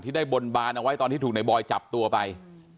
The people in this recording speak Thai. ได้บนบานเอาไว้ตอนที่ถูกในบอยจับตัวไป